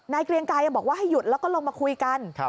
เกรียงไกรบอกว่าให้หยุดแล้วก็ลงมาคุยกัน